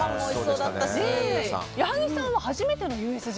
矢作さんは初めてのＵＳＪ？